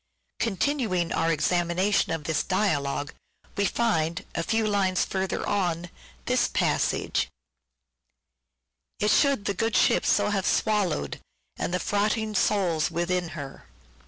Continuing our examination of this dialogue, we ftnd, a few lines further on, this passage :— 526 "SHAKESPEARE" IDENTIFIED " It should the good ship so hav« swallow'd, and The fraughting souls within her."